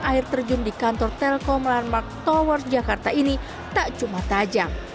air terjun di kantor telkom landmark tower jakarta ini tak cuma tajam